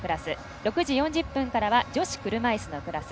６時４０分からは女子車いすのクラス。